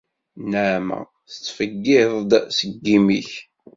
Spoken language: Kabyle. Nneɛma tettfeggiḍ-d seg yimi-k.